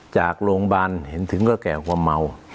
จากโรงพยาบาลเห็นถึงก็แก่ความเมา